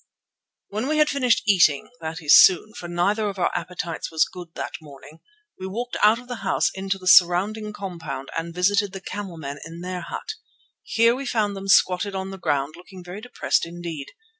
When we had finished eating, that is soon, for neither of our appetites was good that morning, we walked out of the house into the surrounding compound and visited the camelmen in their hut. Here we found them squatted on the ground looking very depressed indeed.